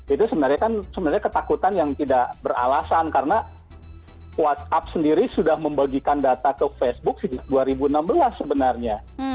itu sebenarnya kan sebenarnya ketakutan yang tidak beralasan karena whatsapp sendiri sudah membagikan data ke facebook sejak dua ribu enam belas sebenarnya